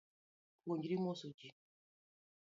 Puojri moso ji